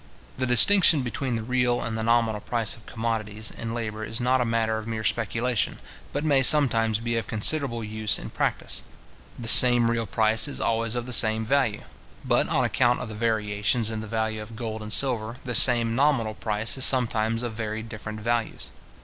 The distinction between the real and the nominal price of commodities and labour is not a matter of mere speculation, but may sometimes be of considerable use in practice. The same real price is always of the same value; but on account of the variations in the value of gold and silver, the same nominal price is sometimes of very different values.